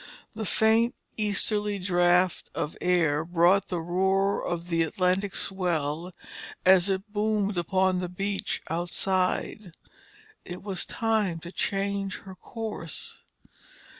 The faint easterly draft of air brought the roar of the Atlantic swell as it boomed upon the beach outside. It was time to change her course.